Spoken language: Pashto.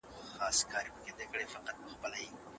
د هر ماشوم په ذهن کي زرګونه پوښتني وي.